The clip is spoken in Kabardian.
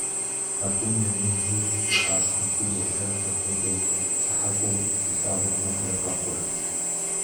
А тӏум я ныбжьыр и пащхьэм щызелъатэ хуэдэу, пщӏыхьэпӏэу щилъагъу куэдрэ къэхъурт.